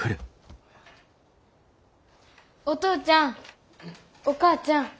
お父ちゃんお母ちゃん。